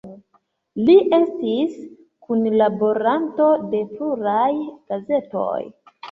Li estis kunlaboranto de pluraj gazetoj.